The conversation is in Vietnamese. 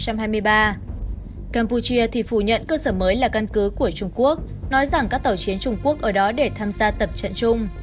campuchia thì phủ nhận cơ sở mới là căn cứ của trung quốc nói rằng các tàu chiến trung quốc ở đó để tham gia tập trận chung